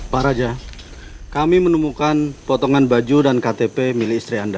pak raja kami menemukan potongan baju dan ktp milik istri anda